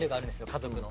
家族の。